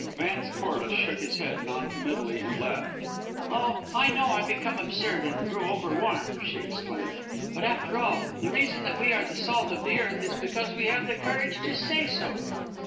Vance Corliss shook his head non committally, and laughed. "Oh! I know I become absurd and grow over warm!" she exclaimed. "But after all, one reason that we are the salt of the earth is because we have the courage to say so."